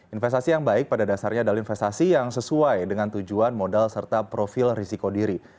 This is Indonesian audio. investasi yang baik pada dasarnya adalah investasi yang sesuai dengan tujuan modal serta profil risiko diri